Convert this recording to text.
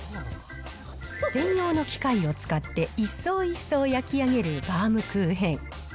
専用の機械を使って、一層一層焼き上げるバウムクーヘン。